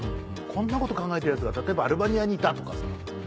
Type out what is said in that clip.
こんなこと考えてるヤツが例えばアルバニアにいたとかさ。